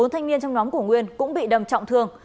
bốn thanh niên trong nhóm của nguyên cũng bị đâm trọng thương